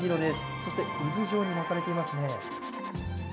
そして渦状に巻かれていますね。